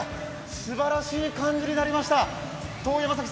すばらしい感じになりました。